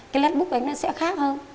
cái lét bút của anh ấy sẽ khác hơn